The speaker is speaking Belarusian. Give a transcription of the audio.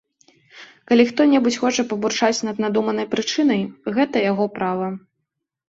Калі хто-небудзь хоча пабурчаць над надуманай прычынай, гэта яго права.